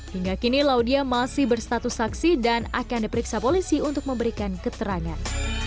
hingga kini laudia masih berstatus saksi dan akan diperiksa polisi untuk memberikan keterangan